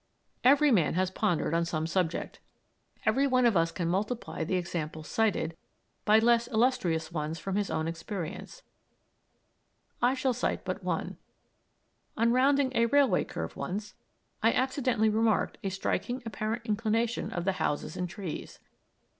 Every man has pondered on some subject. Every one of us can multiply the examples cited, by less illustrious ones from his own experience. I shall cite but one. On rounding a railway curve once, I accidentally remarked a striking apparent inclination of the houses and trees.